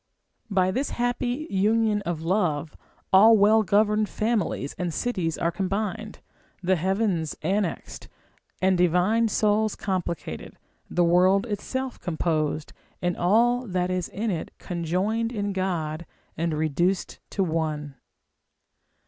By this happy union of love, all well governed families and cities are combined, the heavens annexed, and divine souls complicated, the world itself composed, and all that is in it conjoined in God, and reduced to one.